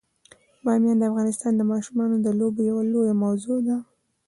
بامیان د افغانستان د ماشومانو د لوبو یوه لویه موضوع ده.